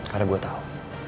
karena gue tau